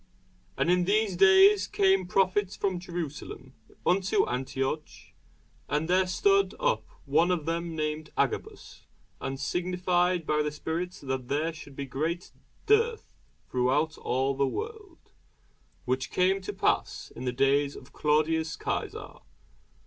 And in these days came prophets from Jerusalem unto Antioch. And there stood up one of them named Agabus, and signified by the Spirit that there should be great dearth throughout all the world: which came to pass in the days of Claudius Cæsar.